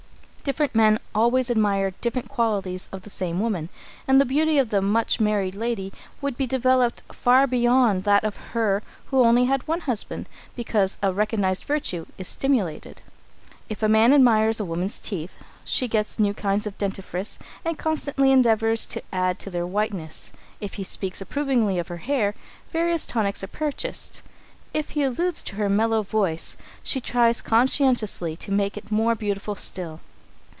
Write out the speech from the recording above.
Different men always admire different qualities of the same woman, and the beauty of the much married lady would be developed far beyond that of her who had only one husband, because a recognised virtue is stimulated. If a man admires a woman's teeth, she gets new kinds of dentifrice and constantly endeavours to add to their whiteness. If he speaks approvingly of her hair, various tonics are purchased. If he alludes to her mellow voice, she tries conscientiously to make it more beautiful still.